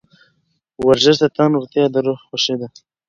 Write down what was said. ورزش د تن روغتیا او د روح خوښي ده.